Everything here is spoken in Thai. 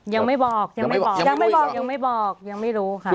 ยังไม่บอกยังไม่บอกยังไม่รู้ค่ะ